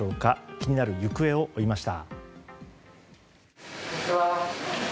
気になる行方を追いました。